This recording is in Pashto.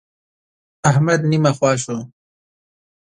احمد نيمه خوا شو.